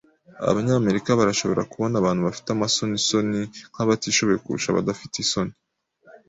Abanyamerika barashobora kubona abantu bafite amasonisoni nkabatishoboye kurusha abadafite isoni.